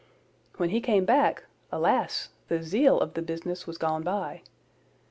When he came back, alas! the zeal of the business was gone by.